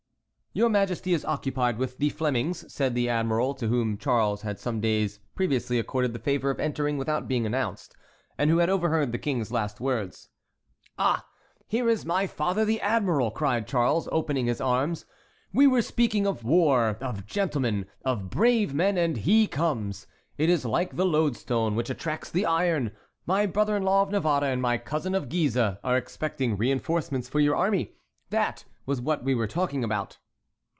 "Your Majesty is occupied with the Flemings," said the admiral, to whom Charles had some days previously accorded the favor of entering without being announced, and who had overheard the King's last words. "Ah! here is my father the admiral!" cried Charles, opening his arms. "We were speaking of war, of gentlemen, of brave men—and he comes. It is like the lodestone which attracts the iron. My brother in law of Navarre and my cousin of Guise are expecting reinforcements for your army. That was what we were talking about."